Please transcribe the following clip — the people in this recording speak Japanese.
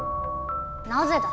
なぜだ？